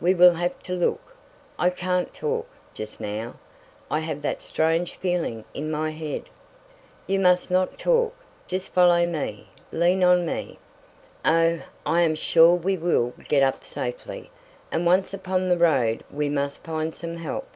We will have to look I can't talk just now. I have that strange feeling in my head." "You must not talk. Just follow me, lean on me! Oh, I am sure we will get up safely; and once upon the road we must find some help!"